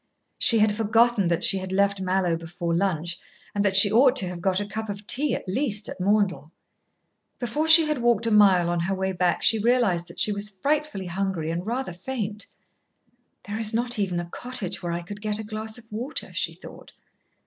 She had forgotten that she had left Mallowe before lunch, and that she ought to have got a cup of tea, at least, at Maundell. Before she had walked a mile on her way back, she realised that she was frightfully hungry and rather faint. "There is not even a cottage where I could get a glass of water," she thought.